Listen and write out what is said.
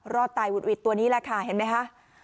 รอดตายหุดหวิดตัวนี้แหละค่ะเห็นไหมคะ